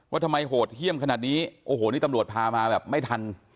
ทำไมโหดเยี่ยมขนาดนี้โอ้โหนี่ตำรวจพามาแบบไม่ทัน